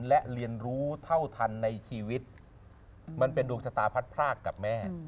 และเรียนรู้เท่าทันในชีวิตมันเป็นดวงชะตาพัดพรากกับแม่